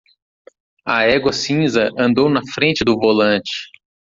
A égua cinza andou na frente do volante.